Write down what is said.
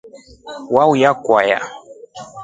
Wauya kwaya.